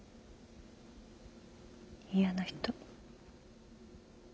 嫌な人。